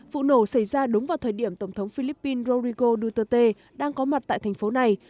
vụ nổ xảy ra đúng vào thời điểm tổng thống philippines rodrigo duterte đang có mặt tại thành phố này